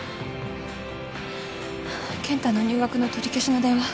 健太の入学の取り消しの電話